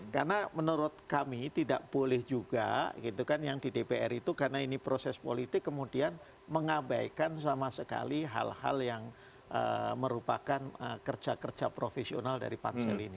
karena menurut kami tidak boleh juga gitu kan yang di dpr itu karena ini proses politik kemudian mengabaikan sama sekali hal hal yang merupakan kerja kerja profesional dari pansel ini